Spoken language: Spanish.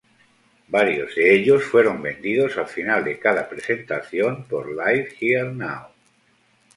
Varios de ellos fueron vendidos al final de cada presentación, por Live Here Now.